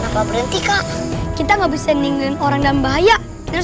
hai apa berhenti kak kita nggak bisa ninggalin orang dalam bahaya harus